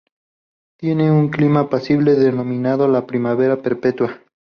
Tiene un clima apacible denominado la "primavera perpetua".